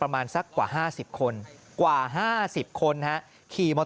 มันมีปืนมันมีปืน